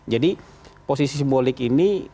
jadi posisi simbolik ini